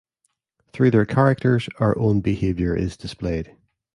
Through their characters, our own behaviour is displayed.